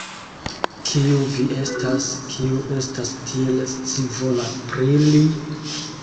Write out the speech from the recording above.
Kiu vi estas, kiu estas tiel scivola pri li?